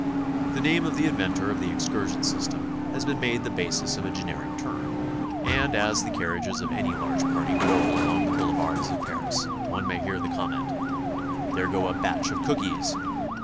The name of the inventor of the ex cursion system has been made the basis of a generic term, and as the carriages of any large party roll along the boule vards of Paris, one may hear the comment, 'There go a batch of Cookies!"